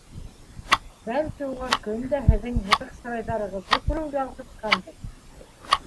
Бәлки, уға көн дә һеҙҙең һытыҡ сырайҙарығыҙҙы күреү ялҡытҡандыр.